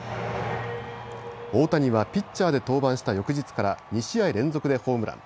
大谷はピッチャーで登板した翌日から２試合連続でホームラン。